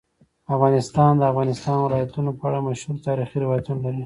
افغانستان د د افغانستان ولايتونه په اړه مشهور تاریخی روایتونه لري.